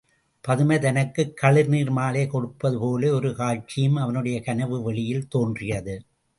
பதுமை தனக்குக் கழுநீர்மாலை கொடுப்பதுபோல ஒரு காட்சியும் அவனுடைய கனவு வெளியில் தோன்றியது.